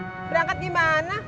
berangkat di mana